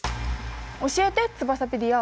教えてツバサペディア。